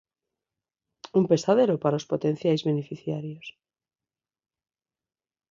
Un pesadelo para os potenciais beneficiarios.